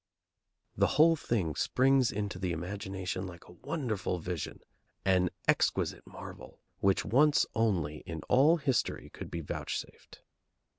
The whole thing springs into the imagination like a wonderful vision, an exquisite marvel which once only in all history could be vouchsafed.